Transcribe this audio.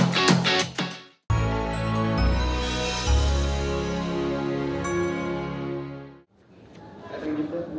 katanya gitu gue